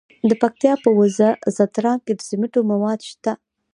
د پکتیا په وزه ځدراڼ کې د سمنټو مواد شته.